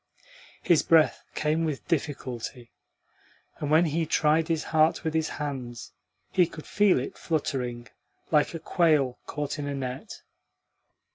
His breath came with difficulty, and when he tried his heart with his hands he could feel it fluttering like a quail caught in a net.